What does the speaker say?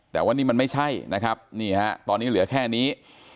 แต่ว่านี่มันไม่ใช่นะครับนี่ฮะตอนนี้เหลือแค่นี้